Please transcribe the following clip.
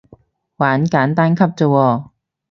玩簡單級咋喎